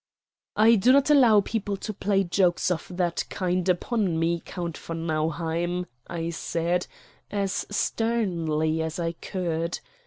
"I do not allow people to play jokes of that kind upon me, Count von Nauheim," I said, as sternly as I could.